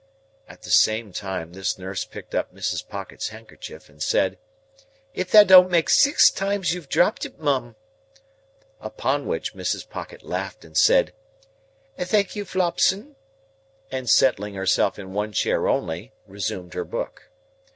At the same time this nurse picked up Mrs. Pocket's handkerchief, and said, "If that don't make six times you've dropped it, Mum!" Upon which Mrs. Pocket laughed and said, "Thank you, Flopson," and settling herself in one chair only, resumed her book.